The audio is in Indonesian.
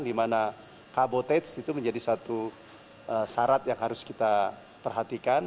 di mana kabotage itu menjadi satu syarat yang harus kita perhatikan